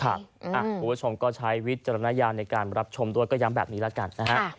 คุณผู้ชมก็ใช้วิจารณญาณในการรับชมด้วยก็ย้ำแบบนี้แล้วกันนะฮะ